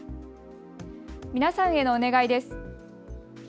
皆さんへのお願いです。